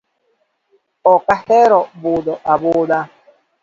Ok ahero budho abudha.